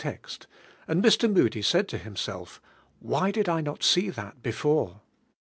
text— ana Mr. Moody said to himself, "Why did I not see that before?"